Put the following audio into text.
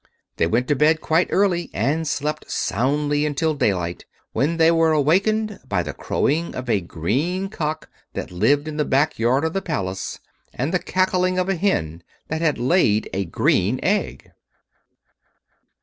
They went to bed quite early and slept soundly until daylight, when they were awakened by the crowing of a green cock that lived in the back yard of the Palace, and the cackling of a hen that had laid a green egg.